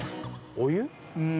お湯？